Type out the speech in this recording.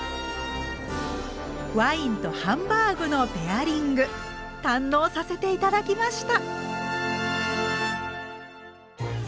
ワインとハンバーグのペアリング堪能させて頂きました！